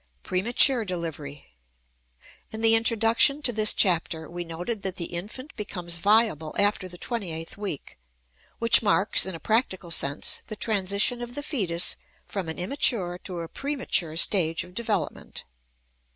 PREMATURE DELIVERY. In the introduction to this chapter we noted that the infant becomes viable after the twenty eighth week, which marks in a practical sense, the transition of the fetus from an immature to a premature stage of development.